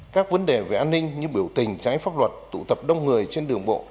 các vấn đề về an ninh như biểu tình trái pháp luật tụ tập đông người trên đường bộ